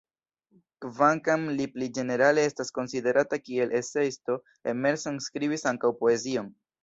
Kvankam li pli ĝenerale estas konsiderata kiel eseisto, Emerson skribis ankaŭ poezion.